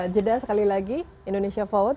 jeda sekali lagi indonesia forward